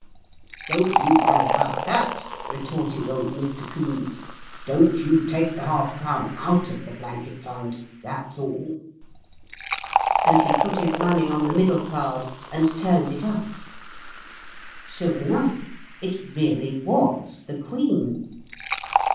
"Don't you worry about that," retorted old Mr. Coombes. "Don't you take the half crown OUT of the blanket fund: that's all." And he put his money on the middle card, and turned it up. Sure enough, it really was the queen!